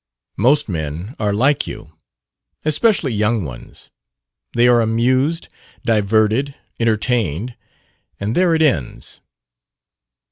"Most men are like you. Especially young ones. They are amused, diverted, entertained and there it ends."